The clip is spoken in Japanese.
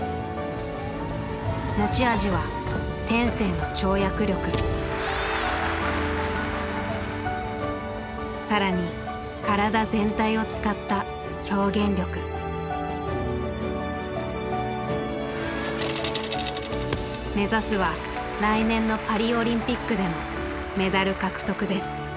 持ち味は天性の更に体全体を使った目指すは来年のパリオリンピックでのメダル獲得です。